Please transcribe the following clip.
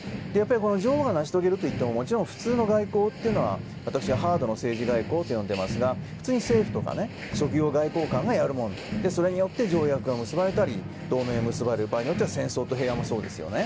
女王が成し遂げるといってももちろん普通の外交というのは私はハードの政治・外交と呼んでいますが総理とか職業外交官がやるものでそれによって条約が結ばれたり同盟が結ばれたり場合によっては戦争と平和もそうですよね。